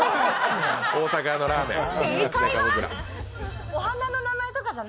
大阪のラーメン屋。